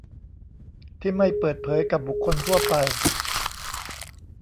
ที่ไม่เปิดเผยกับบุคคลทั่วไป